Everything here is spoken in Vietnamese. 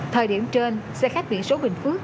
thời điểm trên xe khách viện số bình phước